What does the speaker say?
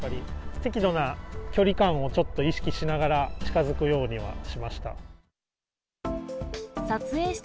適度な距離感をちょっと意識しながら、近づくようにはしました。